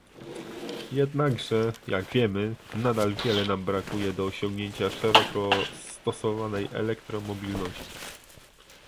Jednakże, jak wiemy, nadal wiele nam brakuje do osiągnięcia szeroko stosowanej elektromobilności